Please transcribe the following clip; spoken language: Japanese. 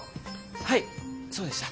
はいそうでした。